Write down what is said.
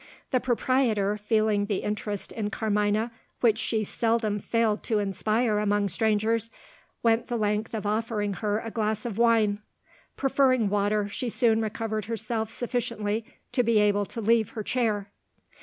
The proprietor, feeling the interest in Carmina which she seldom failed to inspire among strangers, went the length of offering her a glass of wine. Preferring water, she soon recovered herself sufficiently to be able to leave her chair.